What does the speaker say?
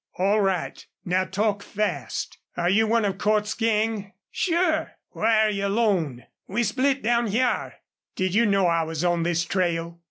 "All right. Now talk fast.... Are you one of Cordts's gang?" "Sure." "Why are you alone?" "We split down hyar." "Did you know I was on this trail?"